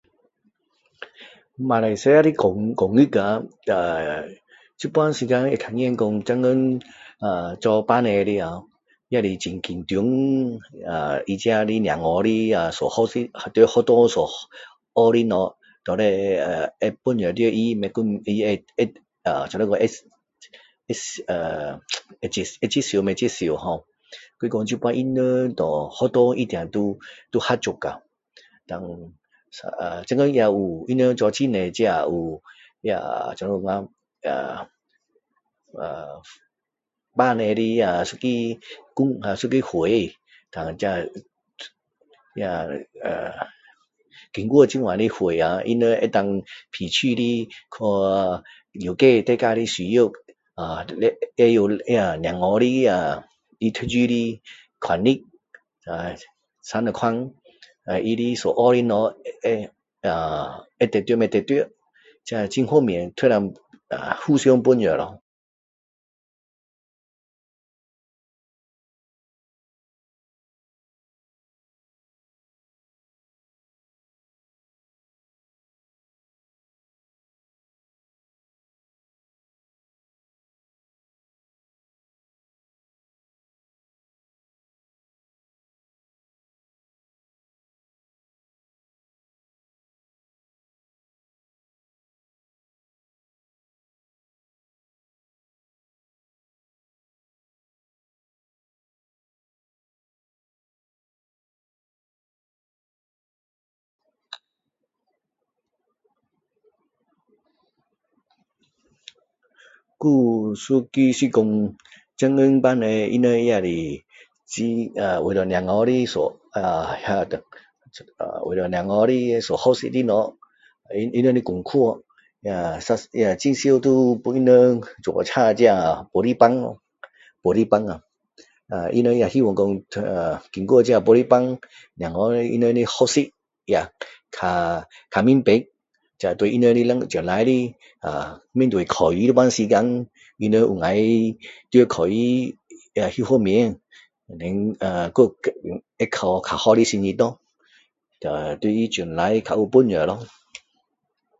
马来西亚的教教育啊呃现在时间会看见现在做父母的哦他自己很紧张小孩的呃学业在学校学的东西到底会帮助到他呃会接接呃怎么说呢会帮助到他不帮助到他ho所以说现在学校一定要合作啊胆现在也有他们做很多这有那那那怎么说啊父母有一个会那呃那那经过这个会啊他们能够清楚的去了解大家的需要呃就嘟呃小孩的那他读书的方式是怎样他所学的东西呃会得到不得到这这方面都要互相帮助咯